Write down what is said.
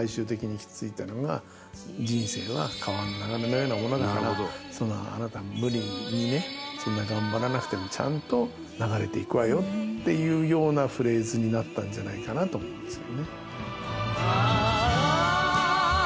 人生は川の流れのようなものだからそんなあなた無理にねそんな頑張らなくてもちゃんと流れていくわよっていうようなフレーズになったんじゃないかなと思うんですよね。